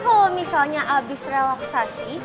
kalo misalnya abis relaksasi